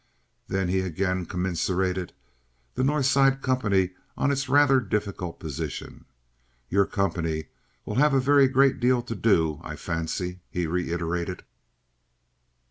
Then he again commiserated the North Side company on its rather difficult position. "Your company will have a very great deal to do, I fancy," he reiterated.